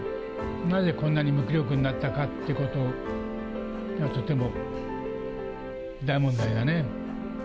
なぜこんなに無気力になったかっていうことが、とても大問題だね。